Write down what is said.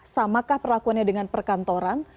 samakah perlakuannya dengan perkantoran